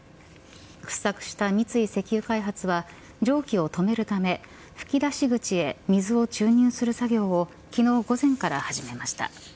掘削した三井石油開発は蒸気を止めるため噴き出し口へ水を注入する作業を昨日午前から始めました。